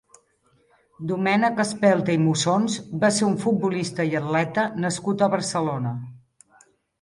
Domènec Espelta i Mussons va ser un futbolista i atleta nascut a Barcelona.